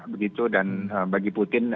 begitu dan bagi putin